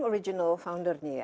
itu original foundernya ya